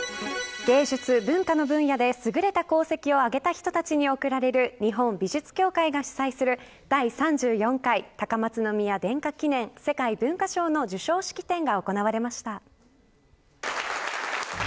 芸術、文化の分野ですぐれた功績を挙げた人たちに贈られる日本美術協会が主催する第３４回高松宮殿下記念世界文化賞の授賞式典が行われました。